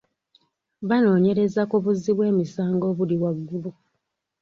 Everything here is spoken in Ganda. Banoonyereza ku buzzi bw'emisango obuli waggulu .